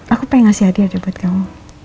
aku pengen ngasih hadiah aja buat kamu